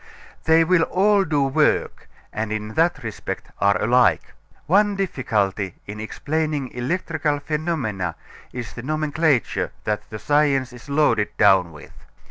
They will all do work, and in that respect are alike. One difficulty in explaining electrical phenomena is the nomenclature that the science is loaded down with.